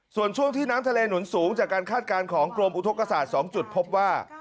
ส่วนช่วงที่น้ำทะเลหนุนสูงจากการคาดการณ์ของกรมอุทธกษา๒จุดพบว่า